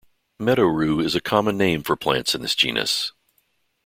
Meadow-rue is a common name for plants in this genus.